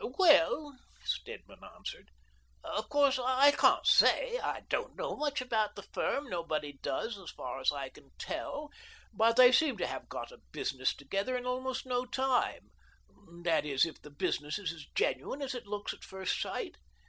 " Well," Stedman answered, "of course I can't say. I don't know much about the firm — nobody does, as far as I can tell — but they seem to have got a business together in almost no time ; that is, if the business is as genuine as it looks at first sight.